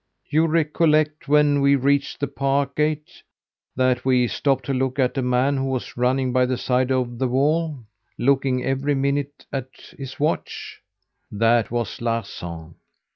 You recollect, when we reached the park gate, that we stopped to look at a man who was running by the side of the wall, looking every minute at his watch. That was Larsan.